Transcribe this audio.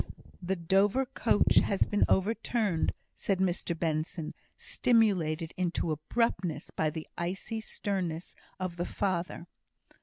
"The Dover coach has been overturned," said Mr Benson, stimulated into abruptness by the icy sternness of the father.